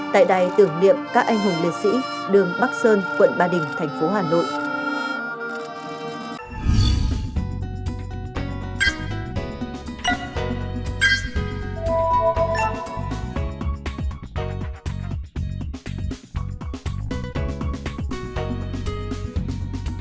tại đài tưởng niệm các anh hùng lịch sĩ đường bắc sơn quận ba đình tp hà nội